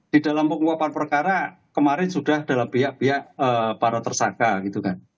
di dalam penguapan perkara kemarin sudah dalam pihak pihak para tersangka gitu kan